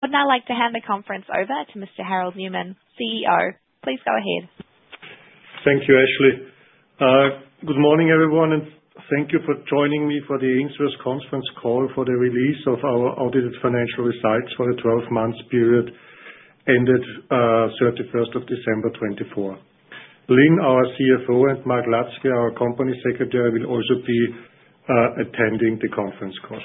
Would now like to hand the conference over to Mr. Harald Neumann, CEO. Please go ahead. Thank you, Ashley. Good morning, everyone, and thank you for joining me for the Ainsworth conference call for the release of our audited financial results for the 12-month period ended 31st of December 2024. Lynn, our CFO, and Mark Ludsky, our Company Secretary, will also be attending the conference call.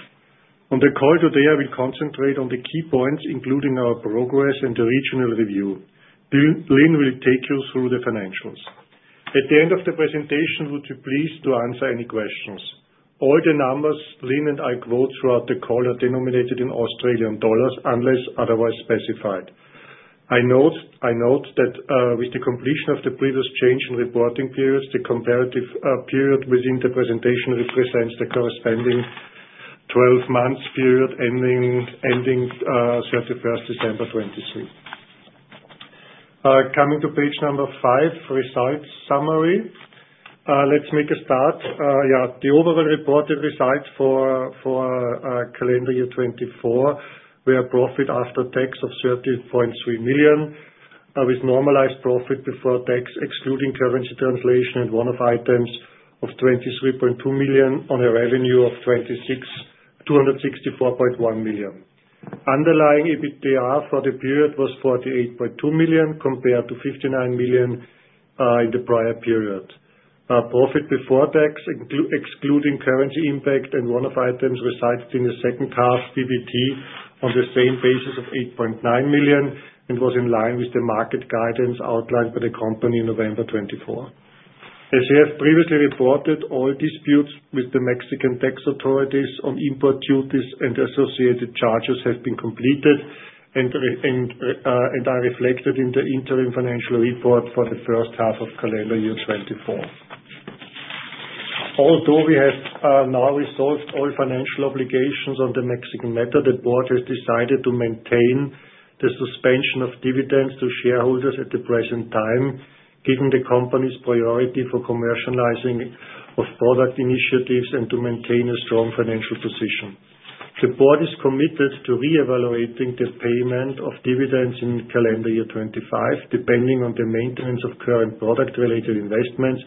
On the call today, I will concentrate on the key points, including our progress and the regional review. Lynn will take you through the financials. At the end of the presentation, would you please answer any questions? All the numbers Lynn and I quote throughout the call are denominated in Australian dollars unless otherwise specified. I note that with the completion of the previous change in reporting periods, the comparative period within the presentation represents the corresponding 12-month period ending 31st December 2023. Coming to page number five, results summary. Let's make a start. Yeah, the overall reported results for calendar year 2024 were profit after tax of 30.3 million, with normalized Profit Before Tax, excluding currency translation and one-off items, of 23.2 million on a revenue of 264.1 million. Underlying EBITDA for the period was 48.2 million compared to 59 million in the prior period. Profit Before Tax, excluding currency impact and one-off items, results in the second-half PBT on the same basis of 8.9 million and was in line with the market guidance outlined by the company in November 2024. As you have previously reported, all disputes with the Mexican tax authorities on import duties and associated charges have been completed, and are reflected in the interim financial report for the first half of calendar year 2024. Although we have now resolved all financial obligations on the Mexican matter, the Board has decided to maintain the suspension of dividends to shareholders at the present time, given the company's priority for commercializing of product initiatives and to maintain a strong financial position. The Board is committed to re-evaluating the payment of dividends in calendar year 2025, depending on the maintenance of current product-related investments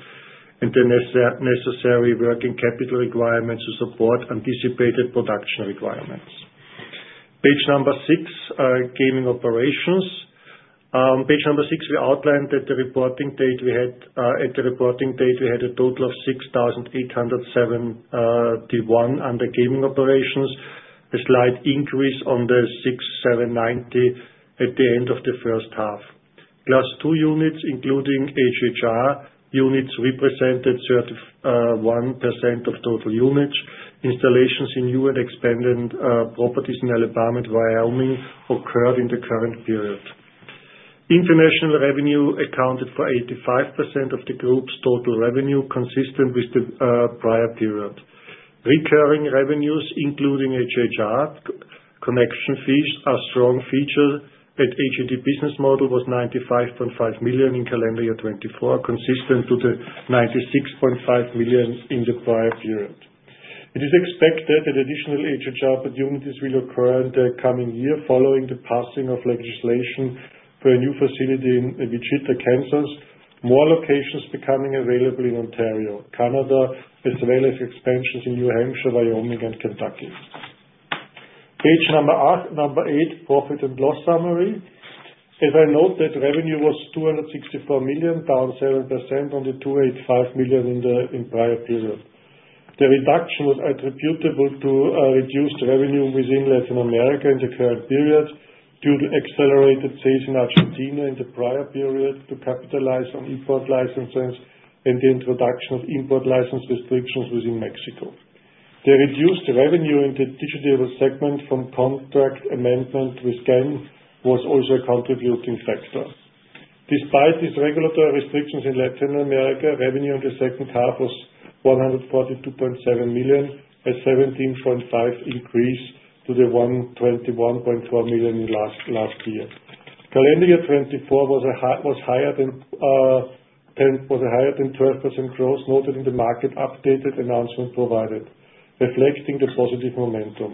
and the necessary working capital requirements to support anticipated production requirements. Page number six, gaming operations. On page number six, we outlined that at the reporting date, we had a total of 6,871 under gaming operations, a slight increase on the 6,790 at the end of the first half. Class II units, including HHR units, represented 31% of total units. Installations in new and expanded properties in Alabama and Wyoming occurred in the current period. International revenue accounted for 85% of the group's total revenue, consistent with the prior period. Recurring revenues, including HHR connection fees, are a strong feature at AGT business model was 95.5 million in calendar year 2024, consistent with the 96.5 million in the prior period. It is expected that additional HHR opportunities will occur in the coming year following the passing of legislation for a new facility in Wichita, Kansas, more locations becoming available in Ontario, Canada, as well as expansions in New Hampshire, Wyoming, and Kentucky. Page number eight, profit and loss summary. As I note, that revenue was 264 million, down 7% on the 285 million in the prior period. The reduction was attributable to reduced revenue within Latin America in the current period due to accelerated sales in Argentina in the prior period to capitalize on import licenses and the introduction of import license restrictions within Mexico. The reduced revenue in the digital segment from contract amendment with GAN was also a contributing factor. Despite these regulatory restrictions in Latin America, revenue in the second half was 142.7 million, a 17.5% increase to the 121.4 million last year. Calendar year 2024 was higher than 12% growth noted in the market updated announcement provided, reflecting the positive momentum.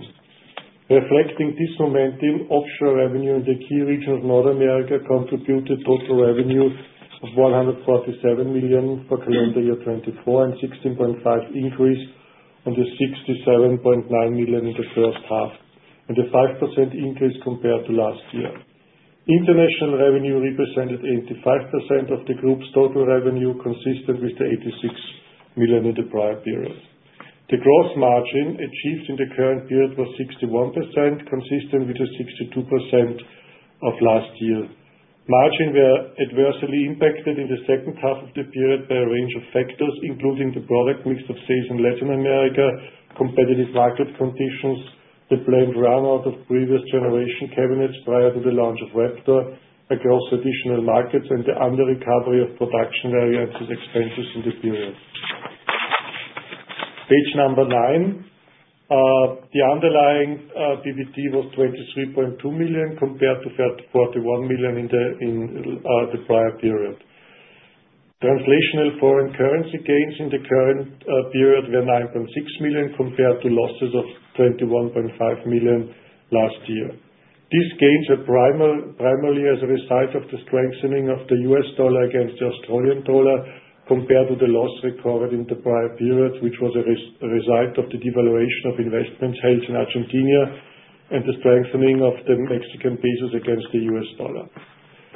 Reflecting this momentum, offshore revenue in the key region of North America contributed total revenue of 147 million for calendar year 2024, a 16.5% increase on the 67.9 million in the first half, and a 5% increase compared to last year. International revenue represented 85% of the group's total revenue, consistent with the 86 million in the prior period. The gross margin achieved in the current period was 61%, consistent with the 62% of last year. Margins were adversely impacted in the second half of the period by a range of factors, including the product mix of sales in Latin America, competitive market conditions, the planned run-out of previous generation cabinets prior to the launch of Raptor across additional markets, and the under-recovery of production variances expenses in the period. Page number nine, the underlying PBT was 23.2 million compared to 41 million in the prior period. Translational foreign currency gains in the current period were 9.6 million compared to losses of 21.5 million last year. These gains are primarily as a result of the strengthening of the US dollar against the Australian dollar compared to the loss recorded in the prior period, which was a result of the devaluation of investments held in Argentina and the strengthening of the Mexican pesos against the US dollar.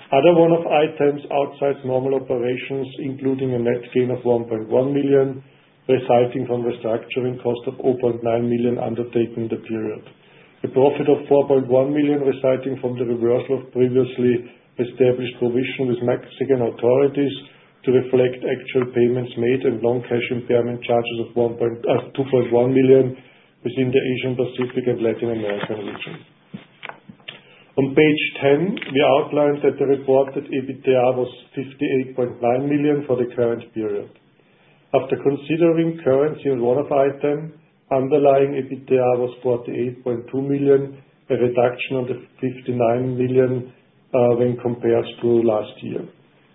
Other one-off items outside normal operations, including a net gain of 1.1 million, resulting from restructuring cost of 0.9 million undertaken in the period. A profit of 4.1 million resulting from the reversal of previously established provision with Mexican authorities to reflect actual payments made and non-cash impairment charges of 2.1 million within the Asian Pacific and Latin American region. On page 10, we outlined that the reported EBITDA was 58.9 million for the current period. After considering currency and one-off item, underlying EBITDA was 48.2 million, a reduction of 59 million when compared to last year.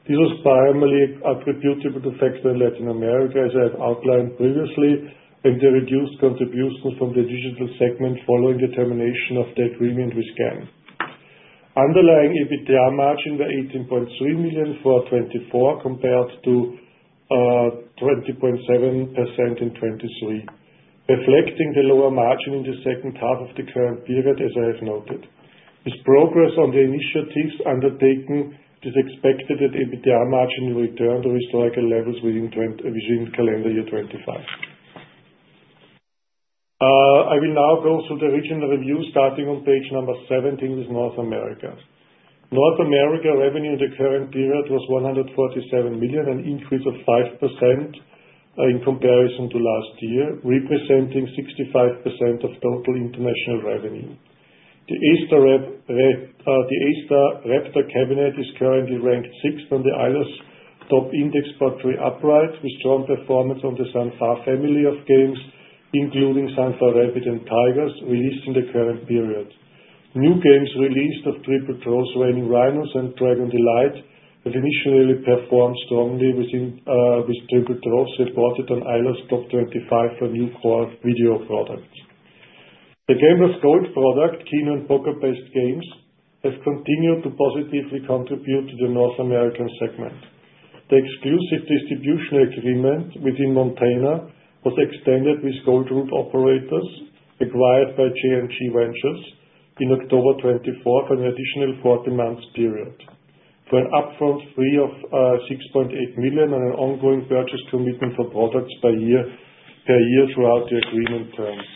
This was primarily attributable to factors in Latin America, as I have outlined previously, and the reduced contributions from the digital segment following the termination of the agreement with GAN. Underlying EBITDA margin were 18.3 million for 2024 compared to 20.7% in 2023, reflecting the lower margin in the second half of the current period, as I have noted. This progress on the initiatives undertaken is expected that EBITDA margin will return to historical levels within calendar year 2025. I will now go through the regional review starting on page number 17 with North America. North America revenue in the current period was 147 million, an increase of 5% in comparison to last year, representing 65% of total international revenue. The A-STAR Raptor cabinet is currently ranked sixth on the Eilers' top index factory upright, with strong performance on the San Fa family of games, including San Fa Rabbits and San Fa Tigers, released in the current period. New games released of Triple Troves, Reigning Rhino, and Dragon's Delight have initially performed strongly with Triple Troves reported on Eilers' top 25 for new core video products. The Gambler's Gold product, Keno, and poker-based games have continued to positively contribute to the North American segment. The exclusive distribution agreement within Montana was extended with Golden Route Operations acquired by J&J Ventures in October 2024 for an additional 40-month period, for an upfront fee of 6.8 million and an ongoing purchase commitment for products per year throughout the agreement terms.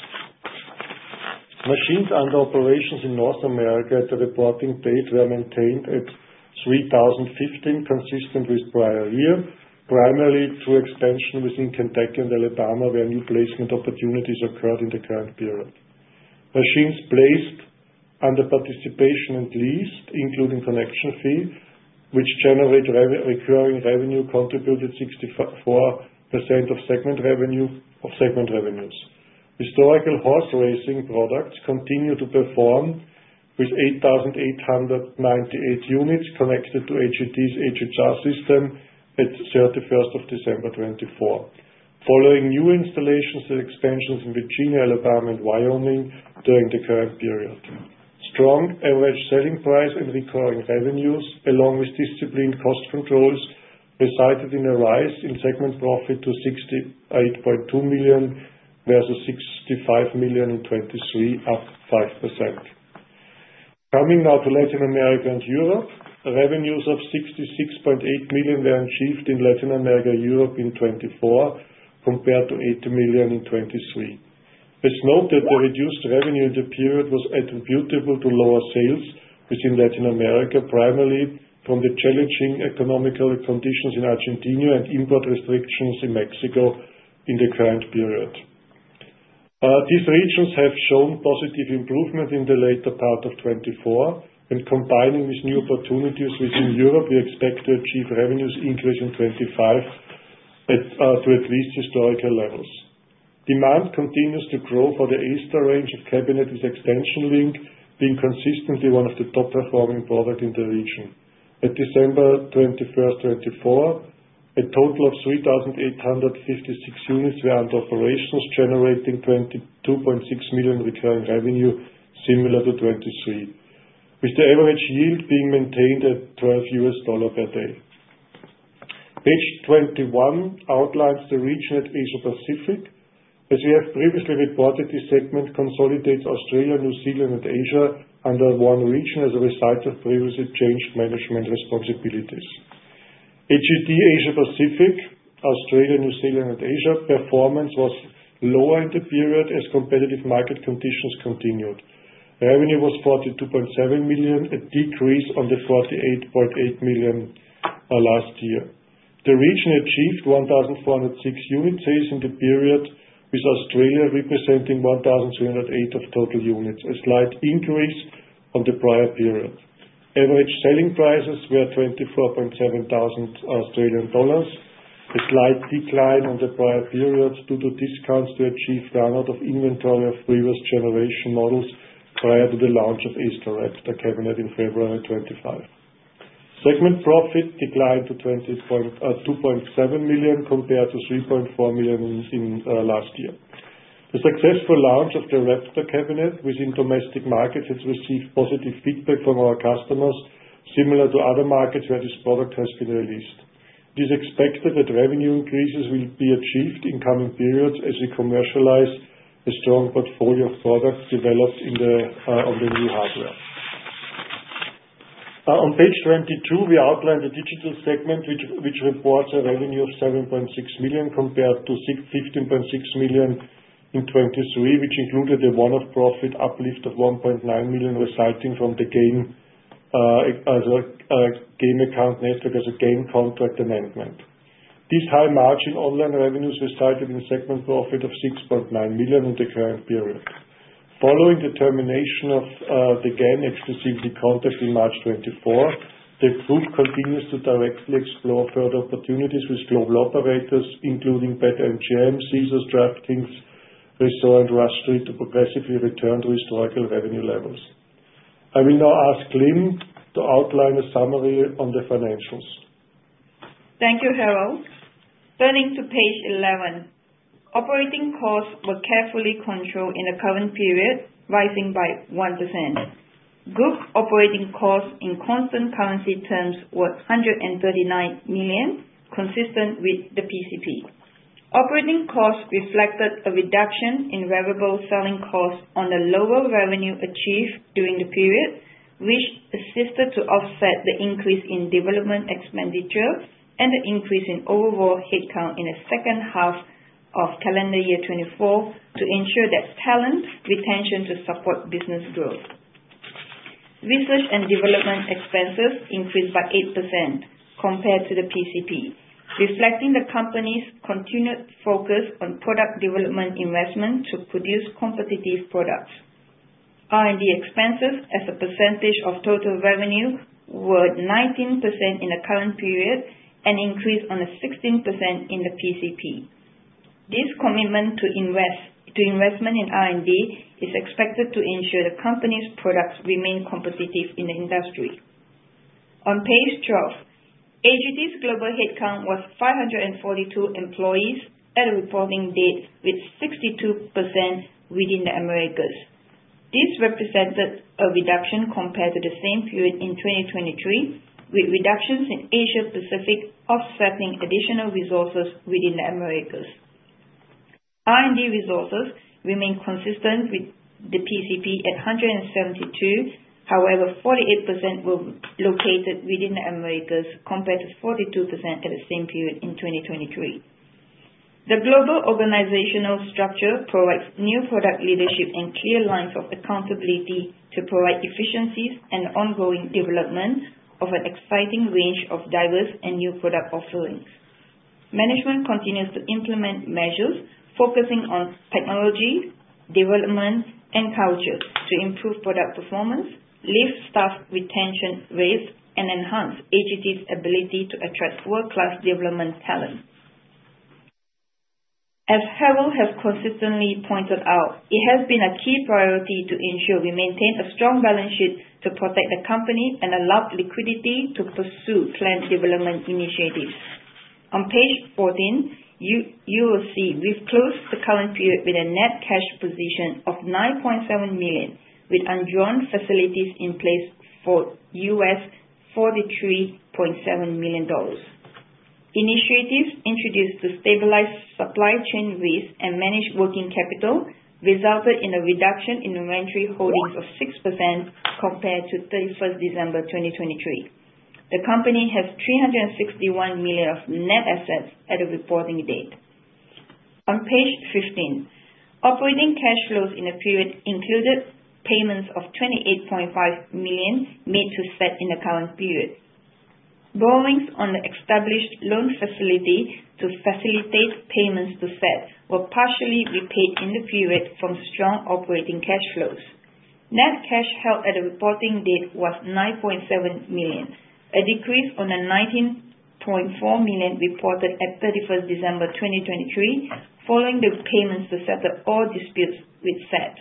Machines under operations in North America at the reporting date were maintained at 3,015, consistent with prior year, primarily through expansion within Kentucky and Alabama where new placement opportunities occurred in the current period. Machines placed under participation and leased, including connection fee, which generate recurring revenue, contributed 64% of segment revenues. Historical Horse Racing products continue to perform with 8,898 units connected to HHR's HHR system at 31st of December 2024, following new installations and expansions in Virginia, Alabama, and Wyoming during the current period. Strong average selling price and recurring revenues, along with disciplined cost controls, resulted in a rise in segment profit to 68.2 million versus 65 million in 2023, up 5%. Coming now to Latin America and Europe, revenues of 66.8 million were achieved in Latin America and Europe in 2024 compared to 80 million in 2023. It's noted that the reduced revenue in the period was attributable to lower sales within Latin America, primarily from the challenging economic conditions in Argentina and import restrictions in Mexico in the current period. These regions have shown positive improvement in the later part of 2024, and combining these new opportunities within Europe, we expect to achieve revenues increasing in 2025 to at least historical levels. Demand continues to grow for the A-STAR range of cabinet with Xtension Link being consistently one of the top-performing products in the region. At December 21st, 2024, a total of 3,856 units were under operations, generating $22.6 million recurring revenue, similar to 2023, with the average yield being maintained at $12 per day. Page 21 outlines the region at Asia-Pacific. As we have previously reported, this segment consolidates Australia, New Zealand, and Asia under one region as a result of previously changed management responsibilities. AGT Asia-Pacific, Australia, New Zealand, and Asia performance was lower in the period as competitive market conditions continued. Revenue was 42.7 million, a decrease on the 48.8 million last year. The region achieved 1,406 unit sales in the period, with Australia representing 1,308 of total units, a slight increase from the prior period. Average selling prices were 24,700 Australian dollars, a slight decline on the prior period due to discounts to achieve run-out of inventory of previous generation models prior to the launch of A-STAR Raptor cabinet in February 2025. Segment profit declined to 2.7 million compared to 3.4 million in last year. The successful launch of the Raptor cabinet within domestic markets has received positive feedback from our customers, similar to other markets where this product has been released. It is expected that revenue increases will be achieved in coming periods as we commercialize a strong portfolio of products developed on the new hardware. On page 22, we outlined the digital segment, which reports a revenue of 7.6 million compared to 15.6 million in 2023, which included a one-off profit uplift of 1.9 million resulting from the Game Account Network as a game contract amendment. These high-margin online revenues resulted in segment profit of 6.9 million in the current period. Following the termination of the game exclusivity contract in March 2024, the group continues to directly explore further opportunities with global operators, including BetMGM, Caesars, DraftKings, Resorts, and Rush Street to progressively return to historical revenue levels. I will now ask Lynn to outline a summary on the financials. Thank you, Harald. Turning to page 11, operating costs were carefully controlled in the current period, rising by 1%. Group operating costs in constant currency terms were 139 million, consistent with the PCP. Operating costs reflected a reduction in variable selling costs on the lower revenue achieved during the period, which assisted to offset the increase in development expenditure and the increase in overall headcount in the second half of calendar year 2024 to ensure that talent retention to support business growth. Research and development expenses increased by 8% compared to the PCP, reflecting the company's continued focus on product development investment to produce competitive products. R&D expenses as a percentage of total revenue were 19% in the current period and increased on the 16% in the PCP. This commitment to investment in R&D is expected to ensure the company's products remain competitive in the industry. On page 12, AGT's global headcount was 542 employees at the reporting date, with 62% within the Americas. This represented a reduction compared to the same period in 2023, with reductions in Asia-Pacific offsetting additional resources within the Americas. R&D resources remained consistent with the PCP at 172; however, 48% were located within the Americas compared to 42% at the same period in 2023. The global organizational structure provides new product leadership and clear lines of accountability to provide efficiencies and ongoing development of an exciting range of diverse and new product offerings. Management continues to implement measures focusing on technology, development, and culture to improve product performance, lift staff retention rates, and enhance Ainsworth's ability to attract world-class development talent. As Harald has consistently pointed out, it has been a key priority to ensure we maintain a strong balance sheet to protect the company and allow liquidity to pursue planned development initiatives. On page 14, you will see we've closed the current period with a net cash position of 9.7 million, with undrawn facilities in place for $43.7 million. Initiatives introduced to stabilize supply chain risk and manage working capital resulted in a reduction in inventory holdings of 6% compared to 31st December 2023. The company has 361 million of net assets at the reporting date. On page 15, operating cash flows in the period included payments of 28.5 million made to SET in the current period. Borrowings on the established loan facility to facilitate payments to SET were partially repaid in the period from strong operating cash flows. Net cash held at the reporting date was 9.7 million, a decrease on the 19.4 million reported at 31st December 2023, following the payments to settle all disputes with SET.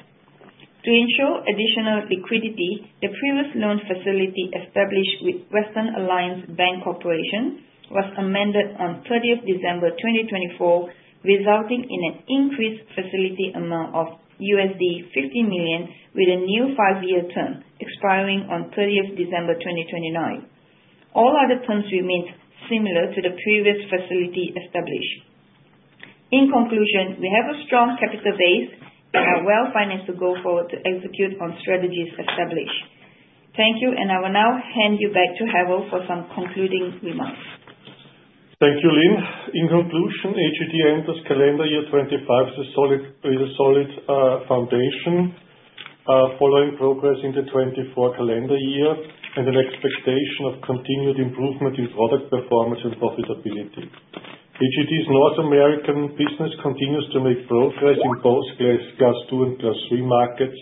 To ensure additional liquidity, the previous loan facility established with Western Alliance Bank was amended on 30th December 2024, resulting in an increased facility amount of $50 million, with a new five-year term expiring on 30th December 2029. All other terms remained similar to the previous facility established. In conclusion, we have a strong capital base and are well financed to go forward to execute on strategies established. Thank you, and I will now hand you back to Harald for some concluding remarks. Thank you, Lynn. In conclusion, Ainsworth enters calendar year 2025 with a solid foundation, following progress in the 2024 calendar year and an expectation of continued improvement in product performance and profitability. Ainsworth's North American business continues to make progress in both Class II and Class III markets.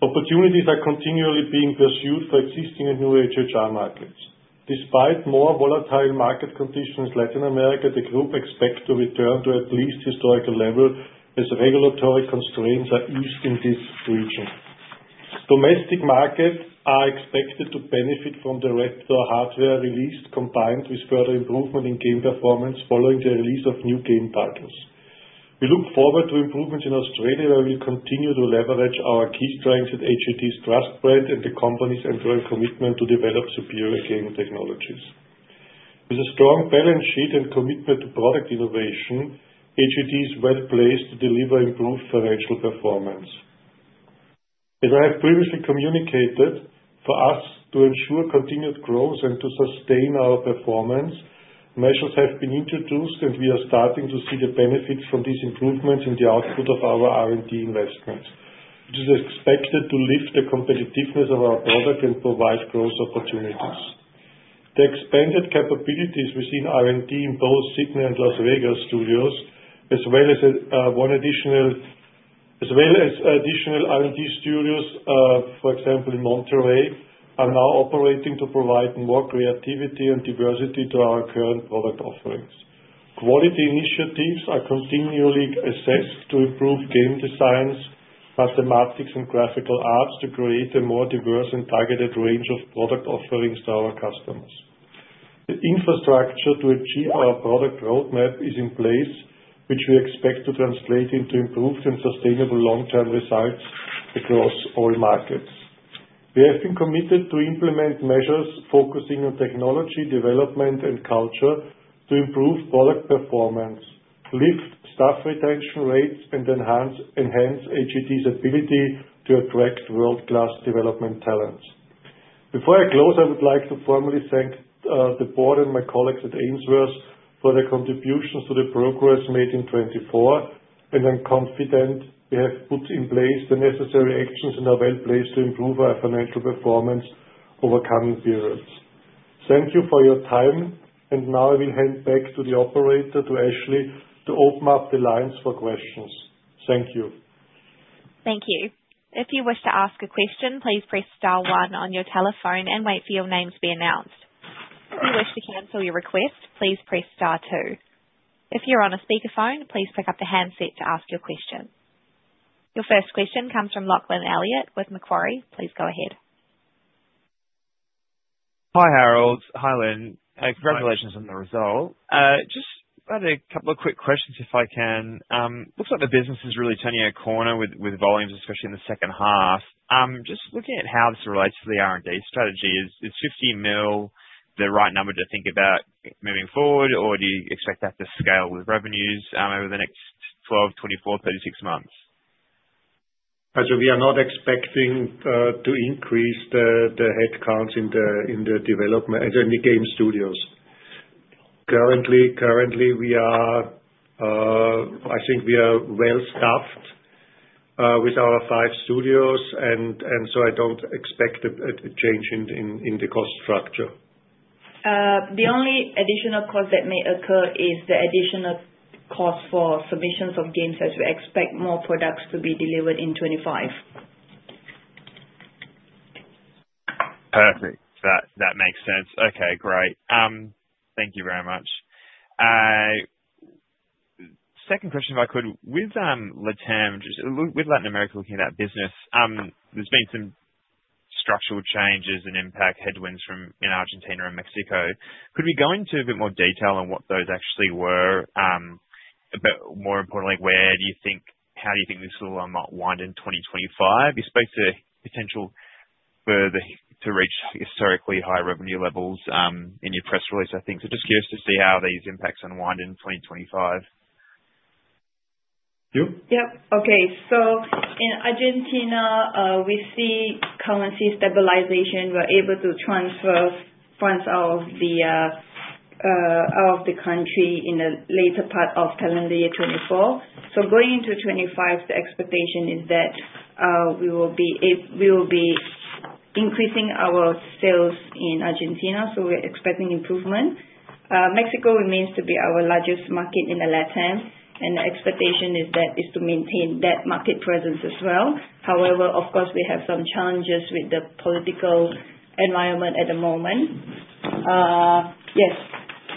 Opportunities are continually being pursued for existing and new Historical Horse Racing markets. Despite more volatile market conditions in Latin America, the group expects to return to at least historical levels as regulatory constraints are eased in this region. Domestic markets are expected to benefit from the Raptor hardware released, combined with further improvement in game performance following the release of new game titles. We look forward to improvements in Australia where we will continue to leverage our key strengths at Ainsworth's Trust brand and the company's enduring commitment to develop superior game technologies. With a strong balance sheet and commitment to product innovation, Ainsworth is well placed to deliver improved financial performance. As I have previously communicated, for us to ensure continued growth and to sustain our performance, measures have been introduced, and we are starting to see the benefits from these improvements in the output of our R&D investments. It is expected to lift the competitiveness of our product and provide growth opportunities. The expanded capabilities within R&D in both Sydney and Las Vegas studios, as well as additional R&D studios, for example, in Monterrey, are now operating to provide more creativity and diversity to our current product offerings. Quality initiatives are continually assessed to improve game designs, mathematics, and graphical arts to create a more diverse and targeted range of product offerings to our customers. The infrastructure to achieve our product roadmap is in place, which we expect to translate into improved and sustainable long-term results across all markets. We have been committed to implement measures focusing on technology development and culture to improve product performance, lift staff retention rates, and enhance AGT's ability to attract world-class development talents. Before I close, I would like to formally thank the Board and my colleagues at Ainsworth for their contributions to the progress made in 2024, and I'm confident we have put in place the necessary actions and are well placed to improve our financial performance over coming periods. Thank you for your time, and now I will hand back to the operator, to Ashley, to open up the lines for questions. Thank you. Thank you. If you wish to ask a question, please press star one on your telephone and wait for your names to be announced. If you wish to cancel your request, please press star two. If you're on a speakerphone, please pick up the handset to ask your question. Your first question comes from Lachlan Elliott with Macquarie. Please go ahead. Hi, Harald. Hi, Lynn. Congratulations on the result. Just had a couple of quick questions if I can. Looks like the business is really turning a corner with volumes, especially in the second half. Just looking at how this relates to the R&D strategy, is 50 million the right number to think about moving forward, or do you expect that to scale with revenues over the next 12, 24, 36 months? As we are not expecting to increase the headcounts in the game studios. Currently, we are, I think we are well staffed with our five studios, and so I do not expect a change in the cost structure. The only additional cost that may occur is the additional cost for submissions of games as we expect more products to be delivered in 2025. Perfect. That makes sense. Okay, great. Thank you very much. Second question, if I could, with LATAM, with Latin America looking at that business, there's been some structural changes and impact headwinds in Argentina and Mexico. Could we go into a bit more detail on what those actually were? More importantly, where do you think, how do you think this will unwind in 2025? You spoke to potential further to reach historically high revenue levels in your press release, I think. Just curious to see how these impacts unwind in 2025. Yep. In Argentina, we see currency stabilization. We're able to transfer funds out of the country in the later part of calendar year 2024. Going into 2025, the expectation is that we will be increasing our sales in Argentina, so we're expecting improvement. Mexico remains to be our largest market in the LATAM, and the expectation is to maintain that market presence as well. However, of course, we have some challenges with the political environment at the moment. Yes.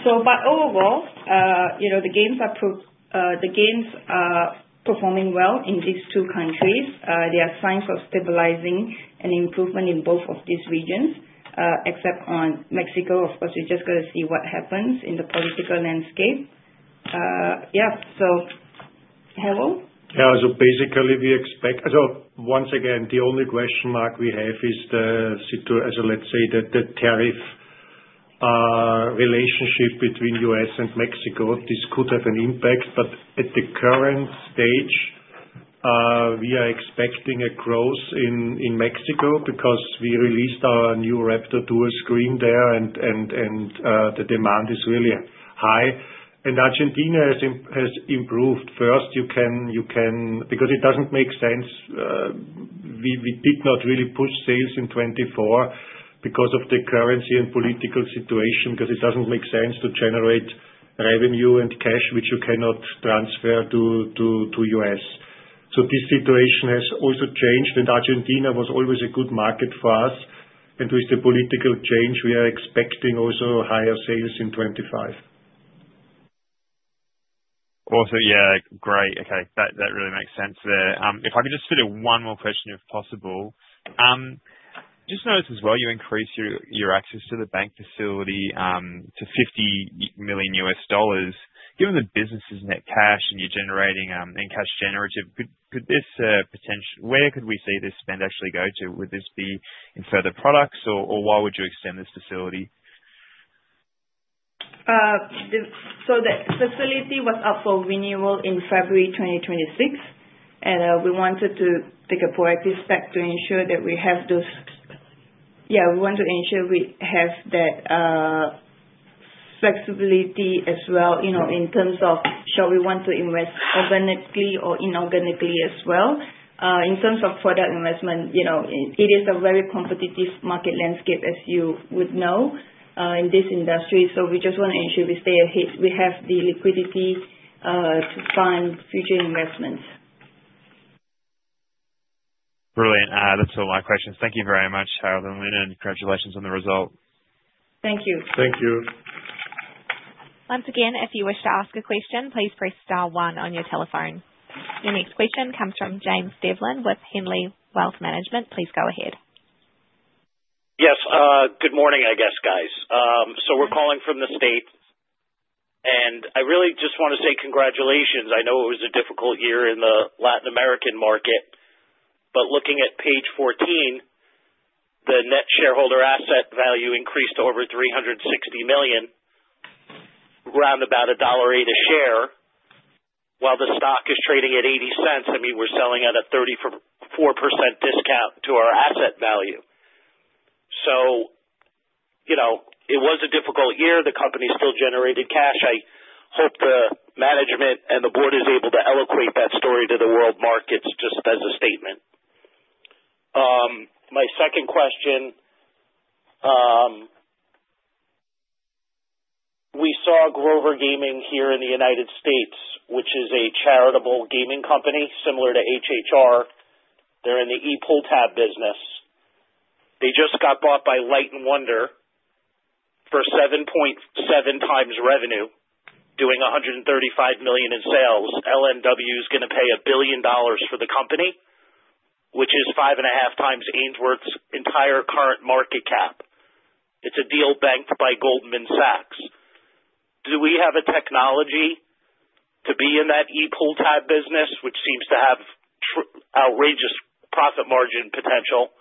By overall, the games are performing well in these two countries. There are signs of stabilizing and improvement in both of these regions, except on Mexico. Of course, we're just going to see what happens in the political landscape. Yeah. Harald? Yeah. Basically, we expect so once again, the only question mark we have is the, let's say, the tariff relationship between U.S. and Mexico. This could have an impact, but at the current stage, we are expecting a growth in Mexico because we released our new Raptor Dual-Screen there, and the demand is really high. Argentina has improved. First, you can because it doesn't make sense. We did not really push sales in 2024 because of the currency and political situation, because it does not make sense to generate revenue and cash, which you cannot transfer to the U.S. This situation has also changed, and Argentina was always a good market for us. With the political change, we are expecting also higher sales in 2025. Awesome. Yeah. Great. Okay. That really makes sense there. If I could just fit in one more question, if possible. Just noticed as well, you increased your access to the bank facility to $50 million. Given the business's net cash and you are generating in cash generative, could this potential where could we see this spend actually go to? Would this be in further products, or why would you extend this facility? The facility was up for renewal in February 2026, and we wanted to take a proactive step to ensure that we have those, yeah, we want to ensure we have that flexibility as well in terms of shall we want to invest organically or inorganically as well. In terms of further investment, it is a very competitive market landscape, as you would know, in this industry. We just want to ensure we stay ahead. We have the liquidity to fund future investments. Brilliant. That's all my questions. Thank you very much, Harald and Lynn, and congratulations on the result. Thank you. Thank you. Once again, if you wish to ask a question, please press star one on your telephone. Your next question comes from James Devlin with Henley Wealth Management. Please go ahead. Yes. Good morning, I guess, guys. We're calling from the state, and I really just want to say congratulations. I know it was a difficult year in the Latin American market, but looking at page 14, the net shareholder asset value increased to over 360 million, round about AUD 1.08 a share. While the stock is trading at 0.80, I mean, we're selling at a 34% discount to our asset value. It was a difficult year. The company still generated cash. I hope the management and the Board is able to eloquent that story to the world markets just as a statement. My second question, we saw Grover Gaming here in the United States, which is a charitable gaming company similar to HHR. They're in the e-pull tab business. They just got bought by Light & Wonder for 7.7x revenue, doing $135 million in sales. LMW is going to pay $1 billion for the company, which is 5.5x Ainsworth's entire current market cap. It's a deal banked by Goldman Sachs. Do we have a technology to be in that e-pull tab business, which seems to have outrageous profit margin potential,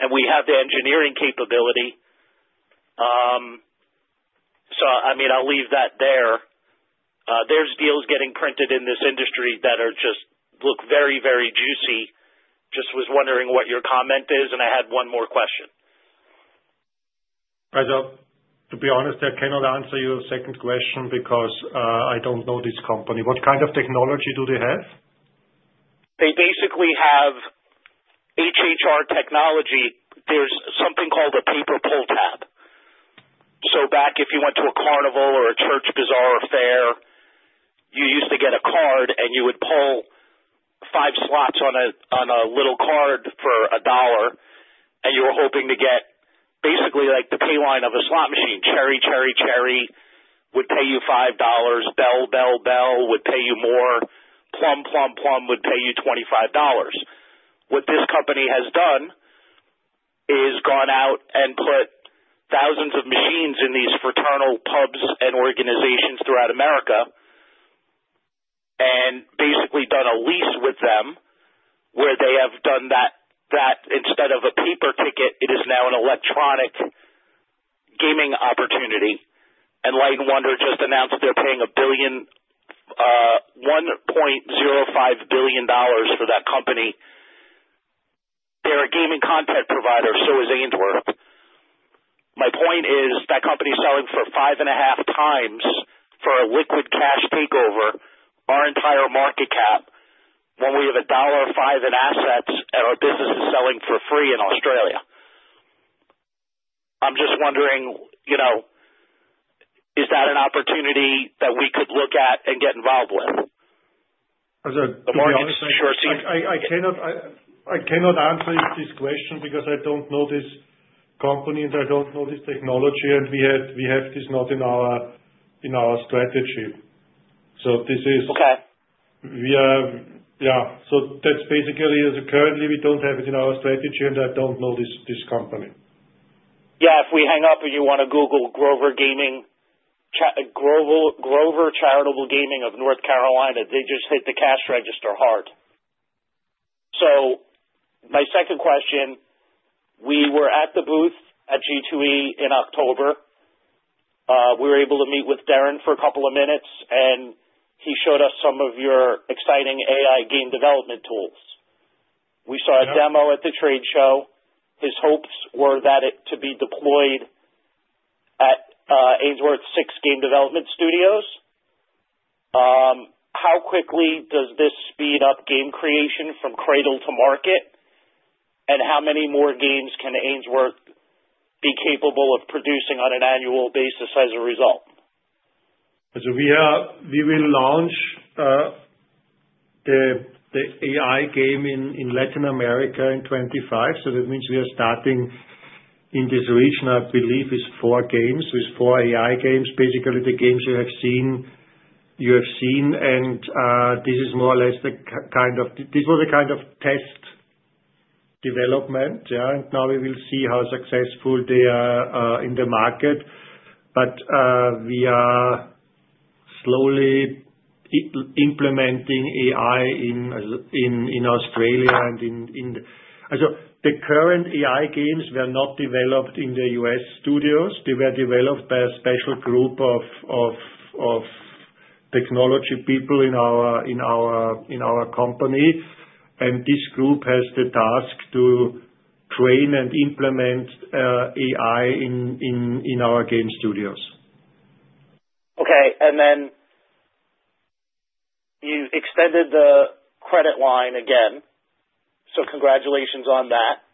and we have the engineering capability? I mean, I'll leave that there. There's deals getting printed in this industry that just look very, very juicy. Just was wondering what your comment is, and I had one more question. As to be honest, I cannot answer your second question because I don't know this company. What kind of technology do they have? They basically have HHR technology. There's something called a paper pull tab. Back if you went to a carnival or a church bazaar or fair, you used to get a card, and you would pull five slots on a little card for a dollar, and you were hoping to get basically like the pay line of a slot machine. Cherry, cherry, cherry would pay you $5. Bell, bell, bell would pay you more. Plum, plum, plum would pay you $25. What this company has done is gone out and put thousands of machines in these fraternal pubs and organizations throughout America and basically done a lease with them where they have done that instead of a paper ticket, it is now an electronic gaming opportunity. Light & Wonder just announced they're paying $1.05 billion for that company. They're a gaming content provider, so is Ainsworth. My point is that company is selling for 5.5x for a liquid cash takeover our entire market cap when we have a dollar five in assets and our business is selling for free in Australia. I'm just wondering, is that an opportunity that we could look at and get involved with? As a marketing strategy, I cannot answer this question because I don't know this company and I don't know this technology, and we have this not in our strategy. This is yeah. That's basically currently we don't have it in our strategy, and I don't know this company. f we hang up and you want to google Grover Gaming, Grover Charitable Gaming of North Carolina, they just hit the cash register hard. My second question, we were at the booth at G2E in October. We were able to meet with Deron for a couple of minutes, and he showed us some of your exciting AI game development tools. We saw a demo at the trade show. His hopes were that it to be deployed at Ainsworth's six game development studios. How quickly does this speed up game creation from cradle to market, and how many more games can Ainsworth be capable of producing on an annual basis as a result? We will launch the AI game in Latin America in 2025, so that means we are starting in this region, I believe, with four games, with four AI games, basically the games you have seen. This is more or less the kind of this was a kind of test development, yeah, and now we will see how successful they are in the market. We are slowly implementing AI in Australia and in the so the current AI games were not developed in the US studios. They were developed by a special group of technology people in our company. This group has the task to train and implement AI in our game studios. Okay. You extended the credit line again. Congratulations on that.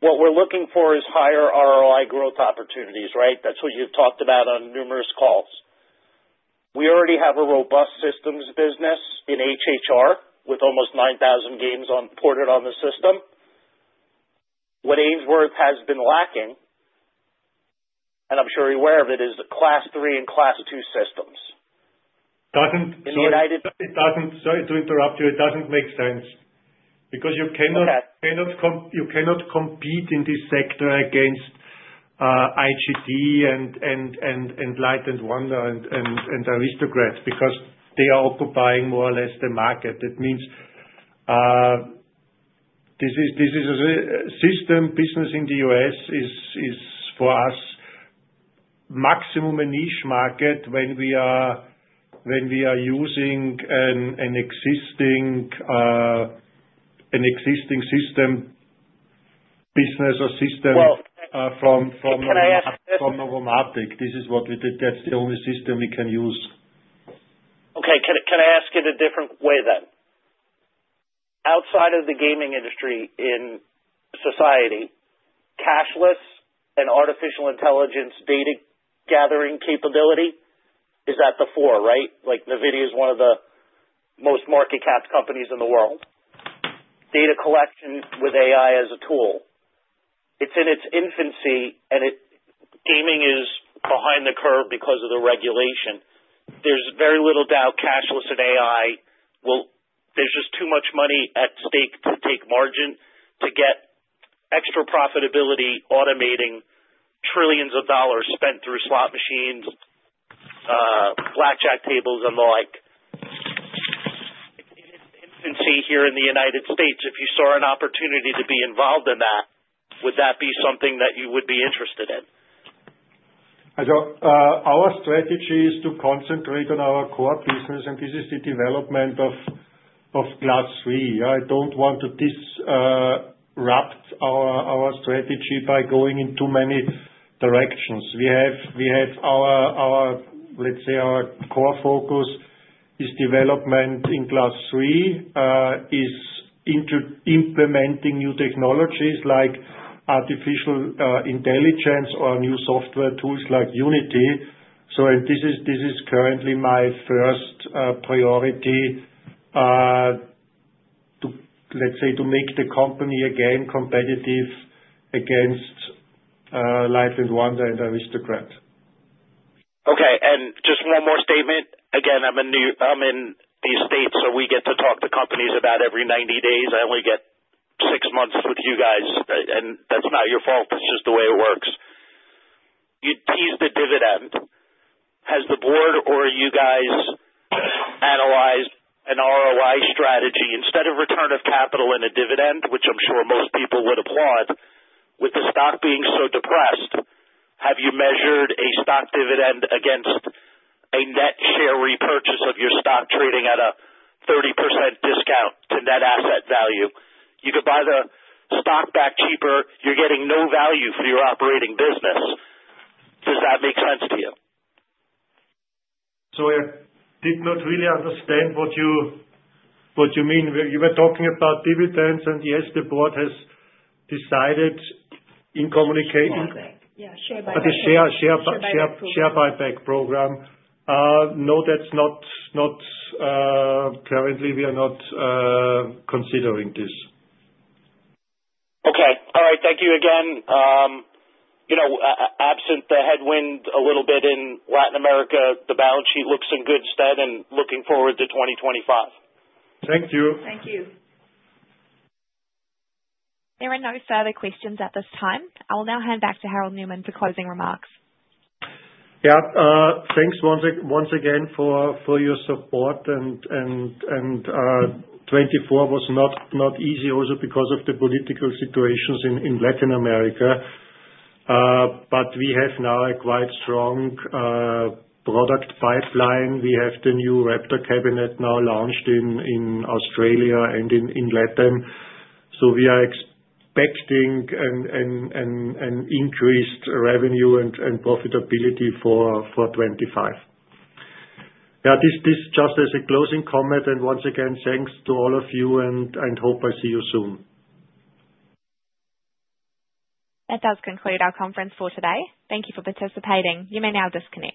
What we're looking for is higher ROI growth opportunities, right? That's what you've talked about on numerous calls. We already have a robust systems business in HHR with almost 9,000 games ported on the system. What Ainsworth has been lacking, and I'm sure you're aware of it, is the Class III and Class II systems. Sorry to interrupt you. It doesn't make sense because you cannot compete in this sector against IGT and Light & Wonder and Aristocrat because they are occupying more or less the market. That means this is a system business in the U.S. is for us maximum a niche market when we are using an existing system business or system from NOVOMATIC. This is what we did. That's the only system we can use. Okay. Can I ask it a different way then? Outside of the gaming industry in society, cashless and artificial intelligence data gathering capability, is that the four, right? Like NVIDIA is one of the most market-capped companies in the world. Data collection with AI as a tool. It's in its infancy, and gaming is behind the curve because of the regulation. There's very little doubt cashless and AI will—there's just too much money at stake to take margin to get extra profitability automating trillions of dollars spent through slot machines, blackjack tables, and the like. In its infancy here in the U.S., if you saw an opportunity to be involved in that, would that be something that you would be interested in? As our strategy is to concentrate on our core business, and this is the development of Class III. I don't want to disrupt our strategy by going in too many directions. We have our—let's say our core focus is development in Class III, is implementing new technologies like artificial intelligence or new software tools like Unity. This is currently my first priority, let's say, to make the company again competitive against Light & Wonder and Aristocrat. Okay. Just one more statement. Again, I'm in the state, so we get to talk to companies about every 90 days. I only get six months with you guys, and that's not your fault. It's just the way it works. You teased the dividend. Has the Board or you guys analyzed an ROI strategy instead of return of capital in a dividend, which I'm sure most people would applaud? With the stock being so depressed, have you measured a stock dividend against a net share repurchase of your stock trading at a 30% discount to net asset value? You could buy the stock back cheaper. You're getting no value for your operating business. Does that make sense to you? I did not really understand what you mean. You were talking about dividends, and yes, the Board has decided in communicating— Yeah, share buyback. But the share buyback program, no, that's not currently—we are not considering this. Okay. All right. Thank you again. Absent the headwind a little bit in Latin America, the balance sheet looks in good stead and looking forward to 2025. Thank you. Thank you. There are no further questions at this time. I will now hand back to Harald Neumann for closing remarks. Yeah. Thanks once again for your support. 2024 was not easy also because of the political situations in Latin America. We have now a quite strong product pipeline. We have the new Raptor cabinet now launched in Australia and in Latin. We are expecting an increased revenue and profitability for 2025. Yeah, this just as a closing comment, and once again, thanks to all of you, and hope I see you soon. That does conclude our conference for today. Thank you for participating. You may now disconnect.